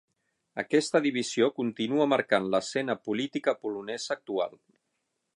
Aquesta divisió continua marcant l'escena política polonesa actual.